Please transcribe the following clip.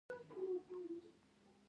له لارې تر حلالېدلو وروسته.